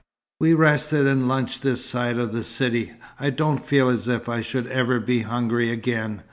We rested and lunched this side of the city. I don't feel as if I should ever be hungry again.